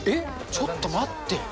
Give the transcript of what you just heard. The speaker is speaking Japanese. ちょっと待って。